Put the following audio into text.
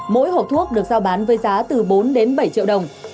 mỗi hộp thuốc được giao bán với giá từ bốn đến bảy triệu đồng